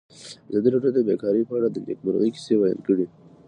ازادي راډیو د بیکاري په اړه د نېکمرغۍ کیسې بیان کړې.